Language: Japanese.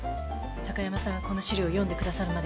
高山さんがこの資料を読んでくださるまでは。